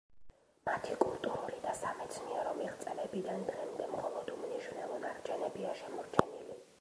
მათი კულტურული და სამეცნიერო მიღწევებიდან დღემდე მხოლოდ უმნიშვნელო ნარჩენებია შემორჩენილი.